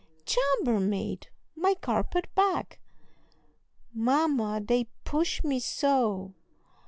"Chambermaid, my carpet bag!" "Mamma, they push me so!"